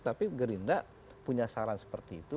tapi gerindra punya saran seperti itu